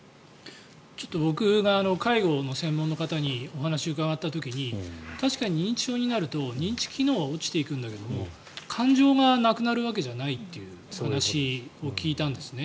ちょっと僕が介護の専門の方にお話を伺った時に確かに認知症になると認知機能は落ちていくんだけども感情がなくなるわけじゃないという話を聞いたんですね。